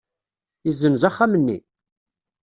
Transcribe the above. Yessenz axxam-nni?